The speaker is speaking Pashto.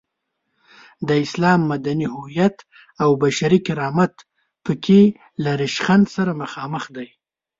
د اسلام مدني هویت او بشري کرامت په کې له ریشخند سره مخامخ دی.